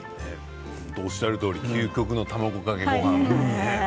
おっしゃるとおり究極の卵かけごはんですね。